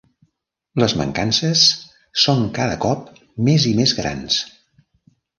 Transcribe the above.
Les mancances són cada cop més i més grans.